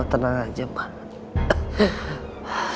suntar lagi aku gak akan ngerasain sakit lagi